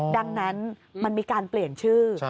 ดังนั้นมันมีการเปลี่ยนชื่อ